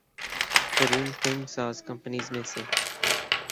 ترین film ساز companies میں سے